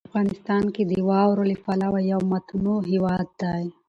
افغانستان د واورو له پلوه یو متنوع هېواد دی.